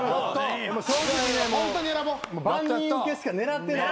正直もう万人受けしか狙ってない。